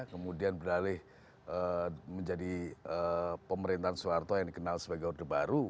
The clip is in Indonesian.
kemudian beralih menjadi pemerintahan soeharto yang dikenal sebagai orde baru